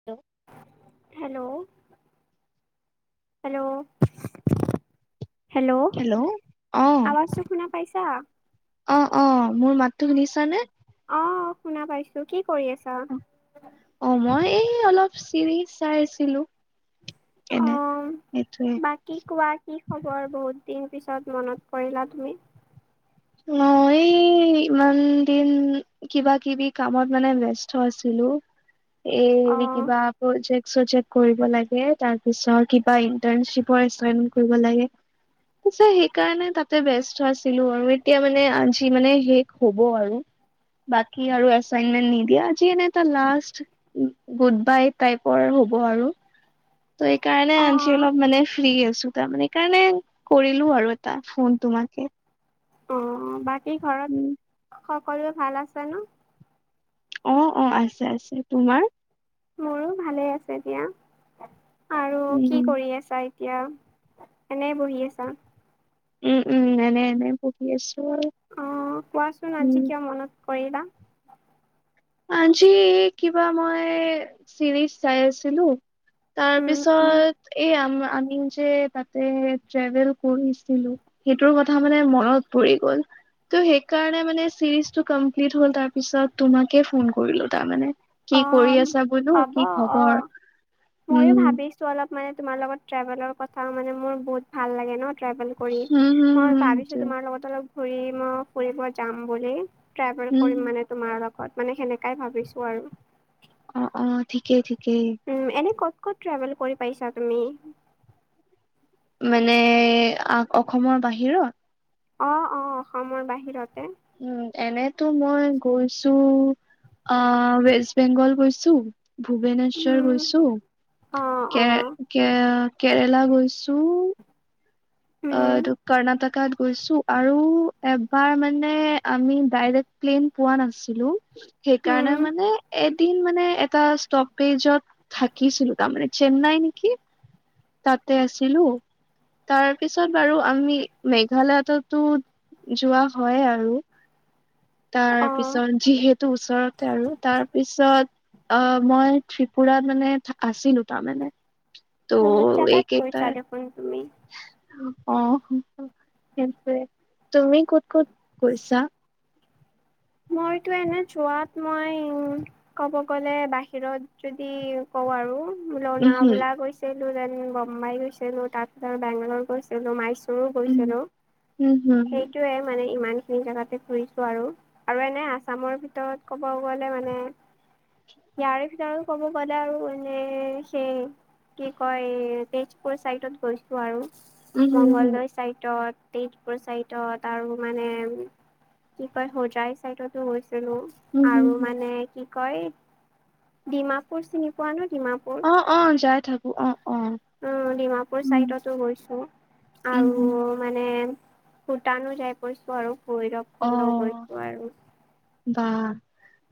' [unintelligible] Hello'- hello. Hello. আৱাজটো শুনা পাইছা? অহ অহ মোৰ মাততো শুনিছা নে? অঁ শুনা পাইছো, কি কৰি আছা? অ মই এই অলপ চৰি চাই আছিলোঁ। অ, বাক কি কোৱা কি খবৰ বহুত দিন পিছত মনত কৰিলা তুমি? মই এই ইমান দিন। কিবা কিবি কামত মানে ব্য্স্ত আছিলোঁ। এ অ' কিবা পজেক চজেক কৰিব লাগে। তাৰ পিছ কিবা ইন্টাৰিপৰ কৰিব লাগে। পিছে সেইকাৰণে তাতে ব্যস্ত আছিলোঁ আৰু। এতিয়া মানে আজি মানে শেষ হ'ব আৰু। বাকি আৰু এাইনমেন্ নিদিয়ে আজি এনে এটা লাষ্ট- গুড বাই টাইপৰ হ'ব আৰু ত' সেইকাৰণে আজি অ' অলপ মানে ফ্ৰী আছোঁ তাৰমানে সেইকাৰণে, কৰিলো আৰু এটা ফোন তোমাকে। অ, বাকী উম ঘৰত সকলোৱে ভাল আছে ন অ অ আছে আছে তোমাৰ? মোৰো ভালে আছে দিয়া আৰু কি উম কৰি আছা? এতিয়া এনে বহি আছা। উম', উম, এনে এনে পঢ়ি আছোঁ আৰু। অ', কোৱাচোন উম আজি কিয় মনত কৰিলা? আজি কিবা মই চিৰিজ চাই আছিলোঁ। উম উম তাৰপিছত এই আমম আমি যে ট্ৰেভেল পঢ়িছিলোঁ সেইটোৰ কথা মানে মনত পৰি গ'ল। ত' সেই কাৰণে মানে চিৰিজ কপ্লিত হল তাৰপিছত তোমাকে ফোন কৰিলোঁ তাৰ মানে। কি কৰি অ' আছা বোলো হ'ব কি খবৰ উম,। ত' অলপ মানে তোমাৰ লগত ট্ৰেভেলৰ কথা মানে মোৰ বহুত ভাল লাগে ন'- ট্ৰেভেল কৰি উম হুম মই হুম ভাবিছো সেইটোৱে তোমাৰ লগত অলপ ঘৰি মই ফুৰিব যাম বুলি। ট্ৰেভেল হুম কৰিম হুম। মানে তোমাৰ লগত। মানে সেনেকাই ভাবিছোঁ আৰু। অ' অ' ঠিকেই ঠিকেই। উম, এনে ক'ত ক'ত ট্ৰেভেল কৰি পাইছা তুমি? মানে আহ অসমৰ বাহিৰত? অ, অ, অসমৰ বাহিৰতে। উম, এনেতো মই গৈছো অ', ৱেষ্ট বেংগল গৈছোঁ। ভূৱনেশ্বৰ উম গৈছোঁ অ অ কে কে কেৰেলা গৈছোঁ। অ', উম কৰ্ণাটকাত গৈছো আৰু এবাৰ মানে আমি ডাইৰেক প্লেইন পোৱা নাছিলো সেইকাৰণে উম মানে এত দিন মানে এটা ষ্টপেজত থাকিছিলোঁ তাৰমানানে চেন্নাই নেকি। তাতে আছিলোঁ। তাৰ পিছত বাৰু আমি মেঘালয়ততো যোৱা হয় আৰু। তাৰ অ পিছত যিহেতু ওচৰতে আৰু তাৰ পিছত অ', মই ত্ৰিপুৰা মানে আছিলোঁ তাৰমানানে। বহুত জাগাত গৈ চাগে ফুৰি তুমি। অ', সেটোৱে তুমি ক'ত ক'ত গৈছা? মইতো এনে যোৱাত মই ক'ব গ'লে বাহিৰত যদি কওঁ আৰু উম লনা বলা হুম গৈছিলোঁ দেন বম্বাই গৈছিলোঁ তাৰপিছত বেংগালৰ গৈছিল ছিলো, মাইচোৰো গৈছিলোঁ, উম উম হুম সেইটোৱে মানে ইমানখিনি জেগাতে ঘুৰিছোঁ আৰু। আৰু এনেই আছামৰ ভিতৰত ক'ব গ'লে মানে ইয়াৰে ভিতৰ ক'ব গলে আৰু মানে সেই কি কয় তেজপুৰ চাইডত গৈছোঁ আৰু হুম উম হুম হুম মংগলদৈ চাইডত তেজপুৰ চাইডত আৰু মানে কি কয় হোজাই চাইডতো গৈছিলোঁ। উম হুম আৰু হুম মানে কি কয় ডিমাপুৰ চিনি পোৱানে ডিমাপুৰ? অ অ' যাই থাকোঁ অ', অ'। অ, ডিমাপুৰ উম চাইডতো গৈছোঁ উম আৰু হুম মানে ভূটানো যাই পাইছোঁ আৰু ভৈৰক অ' বা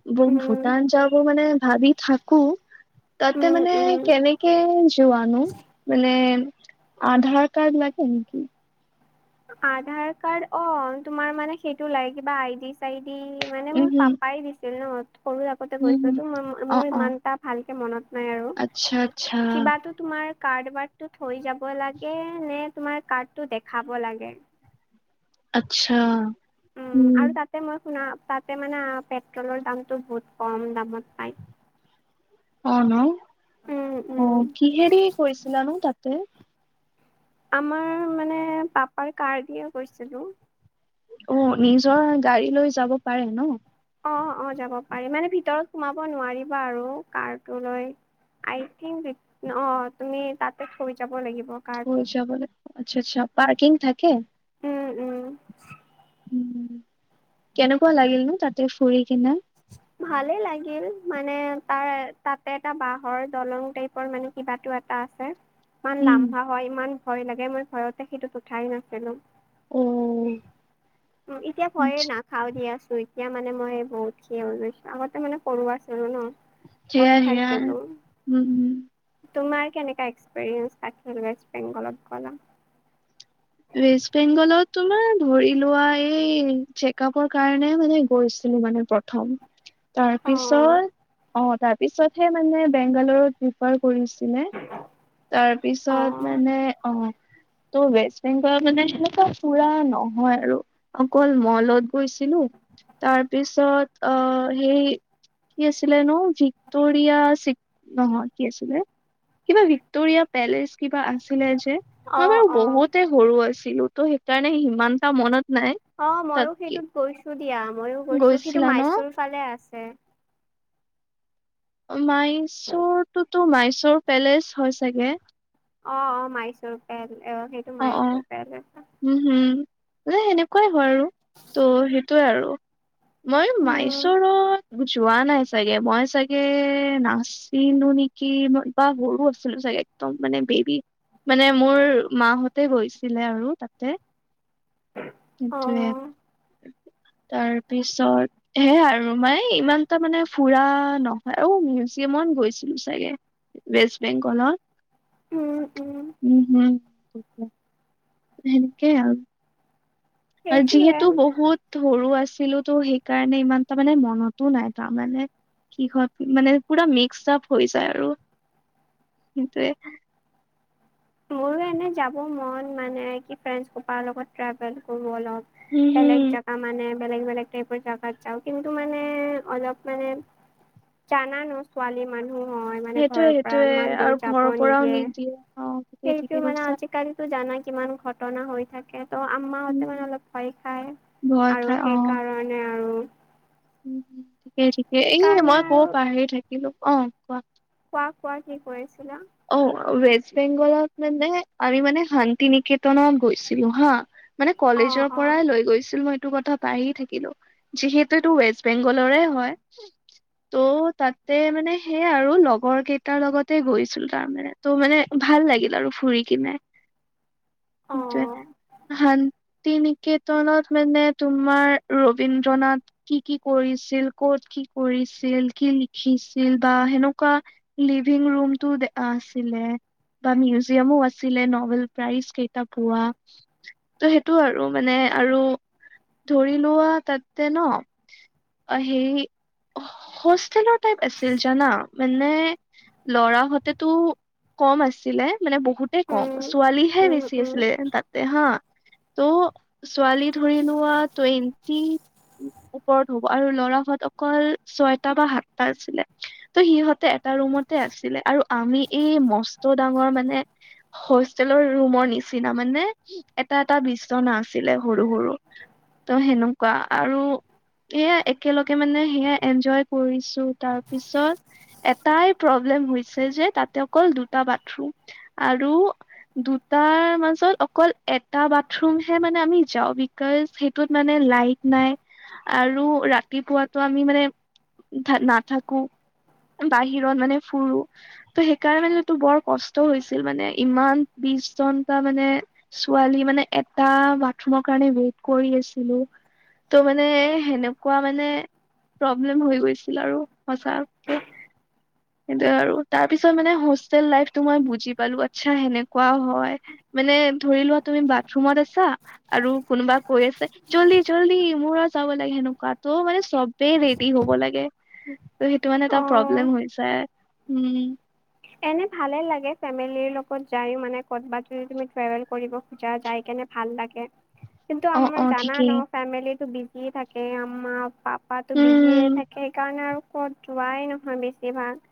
[unintelligible] উম ভূটান যাব মানে ভাবি থাকোঁ তাতে উম মানে উম কেনেক কে যোৱানো মানে আধাৰ কাৰ্ড লাগে নেকি? আধাৰ কাৰ্ড অ' তোমাৰ মানে সেইটো লাগে কিবা আইডি। চাইডি মানে উম মোৰ হম পাপাই দিছিল ন' সৰু থা সৰুতে উম হম গৈছোঁতো অ মোৰ অ ইমান এটা ভালকে মনত নাই আৰু। আচ্ছা আচ্ছা কিবাটোত তোমাৰ কাৰ্ড বাৰ্ডটো থৈ যাব লাগে নে তোমাৰ কাৰ্ড টো দেখাব লাগে। আচ্ছা। উম আৰু তাতে মই শুনা তাতে মানে পেট্ৰলৰ দামটো বহুত কম দামত পায়। অ' ন' উম, উম, অ' কিহেৰে গৈছিলানো তাতে? আমাৰ মানে পাপাৰ কাৰ দিয়ে গৈছিলোঁ। অ' নিজৰ গাড়ীলৈ যাব পাৰে ন'? অ', অ' যাব পাৰি মানে ভিতৰত সোমাব নোৱাৰিবা আৰু কাৰটো লৈ। আই থিংক দি, অ' তুমি তাতে থৈ যাব লাগিব। কাৰটো। থৈ যাবলৈ, আচ্ছা আচ্ছা। পাৰ্কিং থাকে? উম, উম। উম, কেনেকুৱা লাগিলনো তাতে ফুৰি কিনে? ভালে লাগিল, মানে তাৰ তাতে এটা বাঁহৰ দলং টাইপৰ মানে কিবাটো এটা আছে, ইমান উম লামভা হয়, ইমান ভয় লাগে, মই ভয়তে সেইটোত উঠাই নাছিলো। অ'। উ, এতিয়া ভয়ে আচ্ছা নাখাওঁ দিয়াচোই। এতিয়া মানে মই বহুত খি হৈ গৈছোঁ। আগতে মানে সৰু আছিলো ন'। ভয় সেয়া সেয়া, খাইছিলো উম, উম। তোমাৰ কেনেকা এক্সপিৰিয়েঞ্চ, তাক ৱেষ্ট বেংগলত গ'লা। ৱেষ্ট বেংগলত তোমাৰ ধৰি লোৱা এই চেকআপৰ কাৰণে মানে গৈছিলোঁ মানে। প্ৰথম অ', তাৰপিছত অ' তাৰপিছতহে মানে বেংগালৰুত পিফাৰ কৰিছিলে তাৰপিছত অ', মানে অ' ত' ৱেছ বেংগলত মানে সেনেকুৱা ফুৰা নহয় আৰু, অকল মলত গৈছিলোঁ তাৰপিছত আ, হেই কি আছিলে ন' ভিক্টৰিয়া চিক নহয় কি আছিলে, কিবা ভি টোৰিয়া পেলেচ কিবা আনছিলে যে, মই অ', বাৰু অ'। বহুত এ, সৰু আছিলোঁ ত' সেইকাৰণে সিমানটা মনত নাই। অ' তাত মইও সেইটোত গৈছোঁ দিয়া, মইও গৈছোঁ, সেইটো গৈছিলা মাইচুৰ ন ফালে আছে। মাইচুৰটোতো মাইচুৰ পেলেচ হয় চাগে? অ অ মাইচৰ পেল অ সে অ অ উম হম যে সেনেকুৱাই হয় আৰু ত' সেইটোয়ে আৰু। মই উম, মাইচুৰত যোৱা নাই চাগে মই চাগে নাচ নাছিলোঁ নেকি মই বা সৰু আছিলো চাগে একদম মানে বেবি। মানে মোৰ মা হ'ত, তাতে গৈছিলে আৰু তাতে সেইটোৱে। অ', তাৰ পিছত, সেয়া আৰু মাই ইমানটা মানে ফুৰা নহয় আৰু মিউজিয়ামত গৈছিলো চাগে। ৱেষ্ট বেংগলত, উম উম উম হুম, [inaudible] সেনেকে আৰু, সেইটোয়ে যিহেতু বহুত, সৰু আছিলো তো সেইকাৰণে ইমান তা মানে মনতো নাই তাৰমানে কি হয় মানে পুৰা মিক্সড আপ হৈ যায় আৰু সেইটোৱে। মোৰো এনে যাব মন মানে কি ফ্ৰেণ্ডছ সোপাৰ লগত ট্ৰেভেল কৰোঁ অলপ। উম, বেলেগ হুম, জেগা মানে বেলেগ বেলেগ টাইপৰ জেগাত যাওঁ কিন্তু মানে অলপ মানে জানা ন ছোৱালী মানুহ হয় মানে সেইটোয়ে ঘৰৰ পৰা সেইটোয়ে ইমান আৰু দূৰ ঘৰৰ যাব পৰাও নিদিয়ে। অ', ঠিকেই সেইটো ঠিকে মানে কৈছা। আজিকালিতো জানা কিমান ঘটনা হৈ থাকে ত মাহতে উম, মানে উম, অলপ ভয় খায় ভয় আৰু খাই সেই কাৰণে আৰু। উ ঠিকে ঠিকে এ সেইকাৰণে মই ক'ব আৰু পাহৰি থাকিলোঁ অ কোৱা। কোৱা কোৱা কি কৈ আছিলা? অ ৱেষ্ট বেংগলত মানে আমি মানে শান্তি নিকেতনত, গৈছিলো হা মানে অ', কলেজৰ অ', পৰাই লৈ গৈছিল মই এইটো কথা, পাহৰি থাকিলো যে হেতুটো ৱেষ্ট বেংগলৰে হয়। ত' তাতে মানে সেইয়া আৰু লগৰ কেইটাৰ লগতে গৈছিলো। তাৰ মানে ত' মানে ভাল লাগিল আৰু ফুৰি কিনে। যে অ', ভাল। [inaudible] শান্তি নিকেতনত মানে তোমাৰ ৰবীন্দ্ৰ নাথ কি কি কৰিছিল ক'ত কি কৰিছিল কি লিখিছিল বা সেনেকুৱা লিভিং ৰুমটো আছিলে বা মিউজিয়াম ও আছিলে ন'বেল প্ৰাইজ কেইটা পোৱা। ত' সেইটো আৰু মানে আৰু ধৰি লোৱা তাতে ন অ সেই হোষ্টেলত টাইপ আছিল জানা মানে ল'ৰা হতে টো কম আছিলে মানে বহুতে কম উম, ছোৱালীহে উম, বেছি উম, আছিলে তাত তাতে হা ত ছোৱালী ধৰি লোৱা টুৱেন্টি ওপৰত হ'ব। আৰু ল'ৰাহত অকল ছয়টা বা সাতটা আছিলে ত' সিহঁতে এটা ৰুমতে আছিলে আৰু আমি এই মস্ত ডাঙৰ মানে হোষ্টেলৰ ৰুমৰ নিচিনা মানে এটা এটা বিচনা আছিলে সৰু সৰু। ত' সেনেকুৱা আৰু সেয়া একেলগে মানে সেয়া এনজয় কৰিছোঁ তাৰপিছত এটাই প্ৰব্লেম হৈছে যে তাতে অকল দুটা বাথৰুম আৰু দুটাৰ মাজত অকল এটা বাথৰুমহে মানে আমি যাওঁ ই [unintelligible] সেইটোত মানে লাইট নাই আৰু ৰাতিপুৱাটো আমি মানে নাথাকোঁ বাহিৰত মানে ফুৰো। ত' সেইকাৰণে মানে টো বৰ কষ্ট হৈছিল মানে ইমান বিশ ঘণ্টা মানে ছোৱালী মানে এটা বাথৰুমৰ কাৰণে ৱেইট কৰি আছিলোঁ। ত' মানে সেনেকুৱা মানে প্ৰব্লেম হৈ গৈছিল আৰু সচাকে সেইটোয়ে আৰু তাৰ পিছত মানে হোষ্টেল লাইফটো মই বুজি পালোঁ আচ্ছা সেনেকুৱাও হয়। মানে ধৰি লোৱা তুমি বাথৰুমত আছা আৰু কোনোবা কৈ আছে জল্দি জল্দি মোৰো যাব লাগে সেনেকুৱা তো মানে চ বে ৰেডি হ'ব লাগে, ত সেইটো মানে এটা অ'। প্ৰব্লেম হৈ হৈছে উম। এনে ভালে লাগে ফেমিলিৰ লগত যায়ো মানে ক'ৰবাত যদি তুমি ট্ৰেভেল কৰিব খোজা যাই কেনে ভাল লাগে কিন্তু অ অ আমাৰ জানা ঠিকেই ন ফেমিলিটো বিজি থাকে আমাৰ পাপ পা টো বিজিয়ে উম থাকে সেইকাৰণে আৰু ক'ত যোৱাই নহয় বেছিভাগ।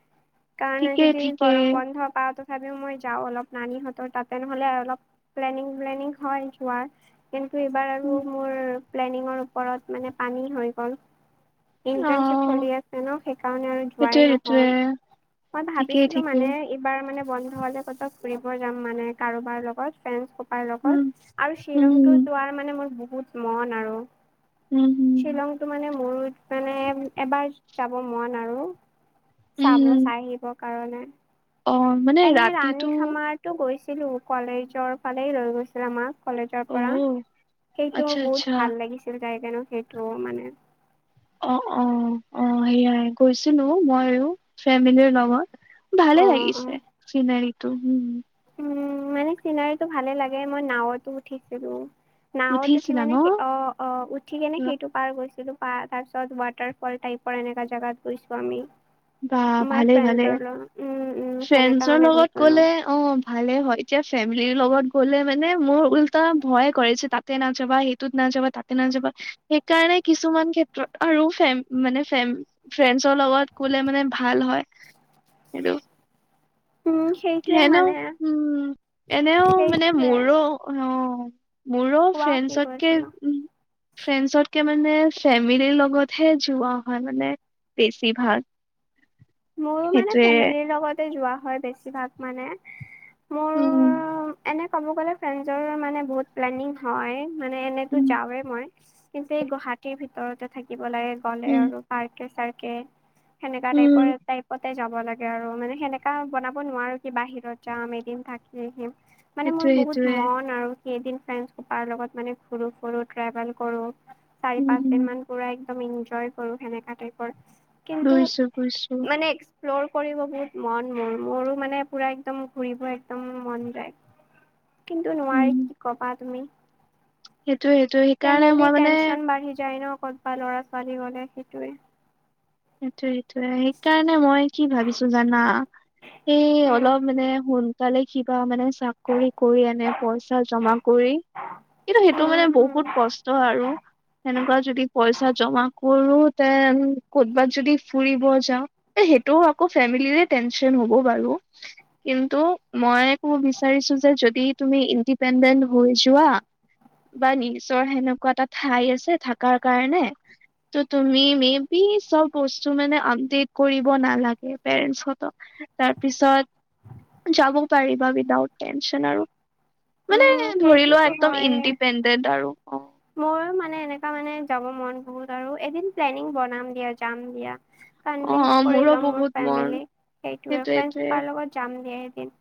কাৰণ ঠিকেই যদি ঠিকেই গৰম বন্ধ পাওঁ তথাপিওঁ মই যাওঁ অলপ নানিহঁতৰ তাতে নহ'লে অলপ প্লেনিং প্লেনিং হয় যোৱাৰ। কিন্তু এইবাৰ আৰু উম মোৰ প্লেনিঙৰ ওপৰত মানে পানী হৈ গ'ল। অ ইণ্টাৰ্ণ শ্বিপ চলি আছে ন সেইকাৰণে আৰু যোৱাই সেইটোৱে সেইটোৱে নহ'ল, মই ঠিকেই ভাবিছিলোঁ ঠিকেই মানে এইবাৰ মানে বন্ধ হ'লে ক'তবা ফুৰিব যাম মানে কাৰোবাৰ লগত ফ্ৰে কাৰ উম লগত আৰু শ্বিলংতটো উম যোৱাৰ মানে মোৰ বহুত মন আৰু। উম হুম। শ্বিলংটো মানে, মোৰো মানে এবাৰ যাব মন আৰু চাব উম চাই আহিবৰ কাৰণে। অ', মানে এনে ৰাণী ৰাতিটো খামাৰতো গৈছিলো কলেজৰ ফালেই লৈ গৈছিল আমাক। কলেজৰ পৰা অ', সেইটো আচ্ছা আচ্ছা। বহুত ভাল লাগিছিল যাই কেনে সেইটো মানে। অ অ অ সেইয়াই গৈছিলো মইও ফেমিলিৰ লগত। অ ভালেই অ লাগিছে চিনেৰীটো উম। উম মানে চিনাৰীটো ভালে লাগে মই নাৱতো উঠিছিলোঁ। নাওত উঠি উঠিছিলা ন? মানে স অ অ উ ঠি কেনে সেইটো পাৰ গৈছিলোঁ, পাৰ তাৰপিছত ৱাটাৰ ফল টাইপৰ এনেকা জাগাত গৈছোঁ আমি। বা আমাৰ ভালে ভালে [unintelligible] লগত উম উম সেনেকা ফ্ৰেণ্ডছৰ মানে লগত গৈছিলোঁ। গ'লে অ ভালে হয় এতিয়া ফেমিলিৰ লগত গ'লে মানে মোৰ উল্টা ভয় কৰিছে তা তাতে নাযাবা সেইটোত নাযাবা তাতে নাযাবা সেইকাৰণে কিছুমান ক্ষেত্ৰত আৰু ফেম মানে ফে ফ্ৰেছৰ লগত গলে মানে ভাল হয় সেইটো। উম। সেইটোয়ে হেনও মানে উম, এনেও মানে সেইটোয়ে মোৰো অ মোৰো কোৱা কি ফ্ৰেছতকে কৈছিলো উম ফ্ৰেছতকে মানে ফেমিলিৰ লগতহে যোৱা হয় মানে বেছিভাগ। [inaudible] মোৰো মানে সেইটোৱে ফেমিলিৰ লগতে যোৱা হয় বেছিভাগ মানে। ম উম। এনে ক'ব গ'লে ফ্ৰেজৰ মানে বহুত প্লেনিং হয় মানে এনেতো উম যাওঁৱেই মই। কিন্তু এই গুৱাহাটীৰ ভিতৰতে থাকিব লাগে। কলে উম আৰু পাৰ্কে চাৰ্কে সেনেকা উম টাইপই কতে যাব লাগে আৰু, মানে সেনেকা বনাব নোৱাৰো কি বাহিৰত যাম, এদিম থাকি আহিম। মানে মোৰ সেইটোৱে বহুত সেইটোৱে মন আৰু। কেইদিন ফ্ৰেণ্ডছ সোপাৰ লগত মানে ঘূৰো ফুৰোঁ, ট্ৰেভেল কৰো, চাৰি পাঁচ দিন উম মান পুৰা একদম ইনজয় কৰো, সেনেকা টাইপৰ। কিন্তু বুজিছো বুজিছো। মানে এক্সপ্ল'ৰ কৰিব বহুত মন মোৰ, মোৰো মানে পুৰা একদম ঘুৰিব একদম মন যায়। কিন্তু নোৱাৰি, উম কি ক'বা তুমি? সেইটোৱে সেইটোৱে সেইকাৰণে ফেমিলি মই মানে টেনচন বাঢ়ি যায় ন, ক'তবা ল'ৰা ছোৱালী গ'লে, সেইটোয়েই। সেইটোৱেই। সেইকাৰণে মই কি ভাবিছো জানা? সেই উম অলপ মানে সোন সোনকালে কিবা মানে চাকৰি কৰি, এনে পইচা জমা কৰি- কিন্তু সেইটো মানে উম বহুত উম কষ্ট আৰু। সেনেকুৱা যদি পইচা জমা কৰো তেন কৰ'বাত যদি ফুৰিব যাওঁ, সেইটোও আকৌ ফেমিলিৰে টেনচন হ'ব বাৰু। কিন্তু মই ক'ব বিচাৰিছো যে, যদি তুমি ইণ্ডিপেণ্ডেণ্ট হৈ যোৱা। বা নিজৰ সেনেকুৱা এটা ঠাই আছে, থাকাৰ কাৰণে, ত' তুমি মিম পি চব বস্তু মানে আপডেট কৰিব নালাগে, পেৰেণ্টছ হতক। তাৰপিছত যাব পাৰিবা উইদাউট টেনচন আৰু। মানে উম ধৰি লোৱা, সেইটোতো একদম ইণ্ডিপেণ্ডেণ্ট আৰু অঁ মই মানে এনেকা মানে যাব মন বহুত আৰু, এদিন প্লেনিং বনাম গে, যাম দিয়া। অ', কনভিনচ অ', কৰি মোৰো ল'ম মোৰ বহুত মন ফেমিলিক, সেইটোৱে ফ্ৰেণ্ডচ সেইটোৱেইটোৱে। সোপাৰ লগত যাম গে এদিন।